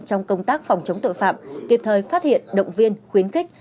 trong công tác phòng chống tội phạm kịp thời phát hiện động viên khuyến khích